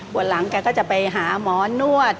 วันหลังแกก็จะไปหาหมอนวด